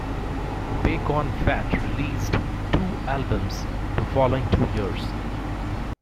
Bacon Fat released two albums the following two years.